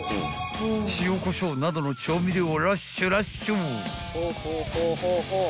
［塩こしょうなどの調味料をラッシュラッシュ］